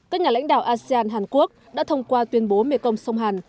các nhà lãnh đạo asean hàn quốc đã thông qua tuyên bố mekong sông hàn